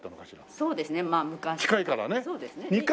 そうですね。